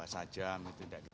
saya membuat sajam